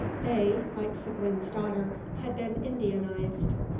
They, like Seguin's daughter, had been Indianised.